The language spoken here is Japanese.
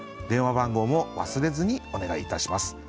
電話番号も忘れずにお願いいたします。